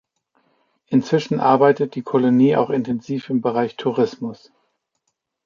Inzwischen arbeitet die Kolonie auch intensiv im Bereich Tourismus.